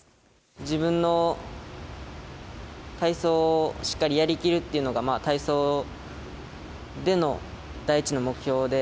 自分の体操をしっかりやりきるっていうのが、体操での第一の目標で。